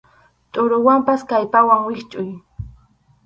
Tʼuruwanpas kallpawan wischʼuy.